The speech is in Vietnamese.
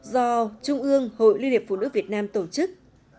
do trung ương hội liên hiệp phụ nữ việt nam tổ chức